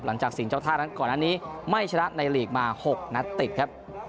หลังจากสิ่งเจ้าท่านั้นก่อนหน้านี้ไม่ชนะในเลียกมาหกนัดติดครับ